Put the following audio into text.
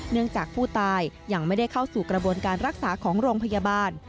จากผู้ตายยังไม่ได้เข้าสู่กระบวนการรักษาของโรงพยาบาล